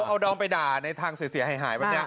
เอาดอมไปด่าในทางเสียหาย